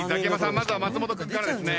まずは松本君からですね。